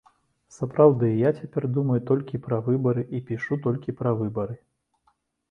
Сапраўды, я цяпер думаю толькі пра выбары і пішу толькі пра выбары.